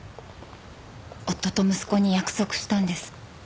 夫と息子に約束したんです。